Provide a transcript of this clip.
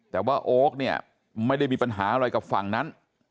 แต่ว่าโอ๊คเนี่ยไม่ได้มีปัญหาอะไรกับฝั่งนั้น